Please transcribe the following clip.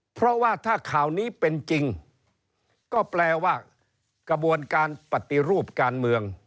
เพราะว่าถ้าข่าวนี้เป็นจริงก็แปลว่ากระบวนการปฏิรูปการเมือง